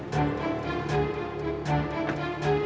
sial ini belakang